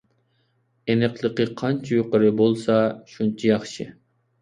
ئېنىقلىقى قانچە يۇقىرى بولسا شۇنچە ياخشى.